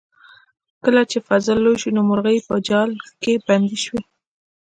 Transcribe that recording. کله چې فصل لوی شو نو مرغۍ په جال کې بندې شوې.